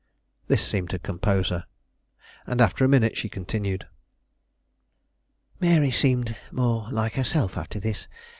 This seemed to compose her, and after a minute she continued: Mary seemed more like herself after this.